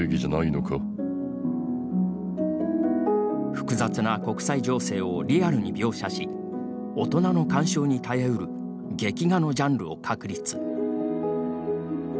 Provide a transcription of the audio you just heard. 複雑な国際情勢をリアルに描写し大人の鑑賞に耐えうる劇画のジャンルを確立。